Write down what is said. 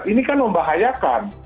ini kan membahayakan